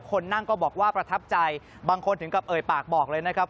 คนนั่งก็บอกว่าประทับใจบางคนถึงกับเอ่ยปากบอกเลยนะครับ